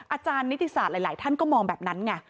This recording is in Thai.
อาจารย์นิติศาสตร์หลายท่านก็มองแบบนั้นไง